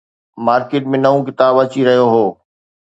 Market ۾ نئون ڪتاب اچي رهيو هو.